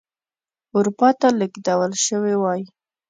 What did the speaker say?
اروپا ته لېږدول شوي وای.